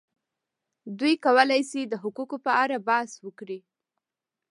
دوی کولای شي د حقوقو په اړه بحث وکړي.